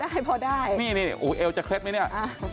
ก็พอได้นี่เอวจะเคล็ดมั้ยเนี่ย